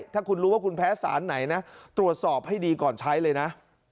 ถ้าคุณรู้ว่าคุณแพ้สารไหนนะตรวจสอบให้ดีก่อนใช้เลยนะ